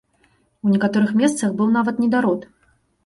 У некаторых месцах быў нават недарод.